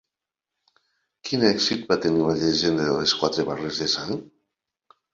Quin èxit va tenir la llegenda de les quatre barres de sang?